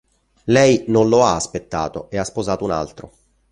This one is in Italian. Lei non lo ha aspettato e ha sposato un altro.